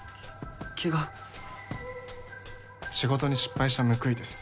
ケガ仕事に失敗した報いです